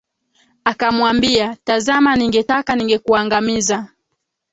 Akamwambia tazama ningetaka ningekuangamiza.